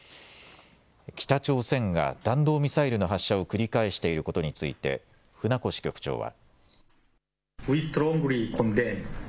北朝鮮が弾道ミサイルの発射を繰り返していることについて船越局長は。